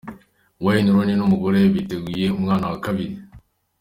Wayne Rooney n'umugore we biteguye umwana wa kabiri.